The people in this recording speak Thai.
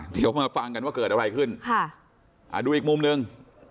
เดี๋ยวมาฟังกันว่าเกิดอะไรขึ้นค่ะอ่าดูอีกมุมหนึ่ง